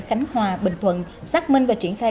khánh hòa bình thuận xác minh và triển khai